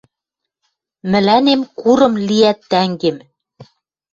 Мӹлӓнем курым лиӓт тӓнгем.